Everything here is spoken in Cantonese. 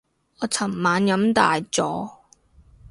我尋晚飲大咗